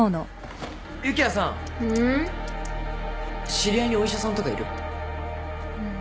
知り合いにお医者さんとかいる？